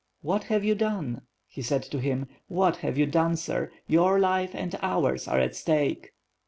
"What have you done?" he said to him, "what have you done, sir? Your life and ours are at stake."